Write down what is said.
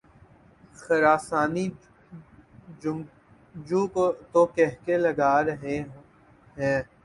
خراسانی جنگجو تو قہقہے لگارہے ہوں۔